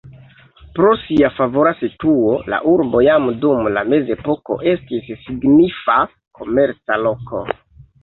Pro sia favora situo la urbo jam dum la mezepoko estis signifa komerca loko.